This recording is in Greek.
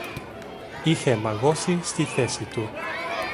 Είχε παγώσει στη θέση του